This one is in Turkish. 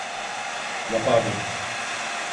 Yapardım.